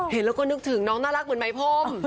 เห็นแล้วก็นึกถึงน้องน่ารักเหมือนไหมพรม